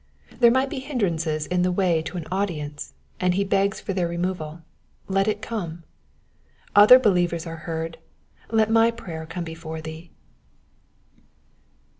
There might be hindrances in the way to an audience, and he begs for their removal — let it come. Other believers are heard — let my prayer come before thee.